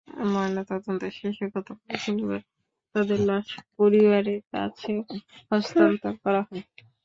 ময়নাতদন্ত শেষে গতকাল শনিবার তাঁদের লাশ পরিবারের কাছে হস্তান্তর করা হয়।